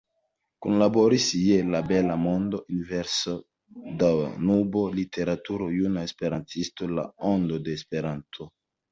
Kunlaboris je "La Bela Mondo, Universo, Danubo, Literaturo, Juna Esperantisto, La Ondo de Esperanto.